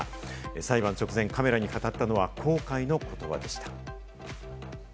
裁判直前、カメラに語ったのは後悔の言葉でした。